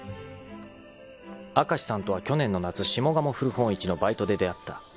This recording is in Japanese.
［明石さんとは去年の夏下鴨古本市のバイトで出会った］